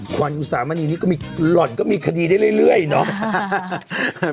ขวัญอุสามณีนี้ก็มีหล่อนก็มีคดีได้เรื่อยเนาะ